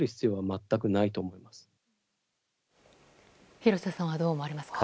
廣瀬さんはどう思われますか？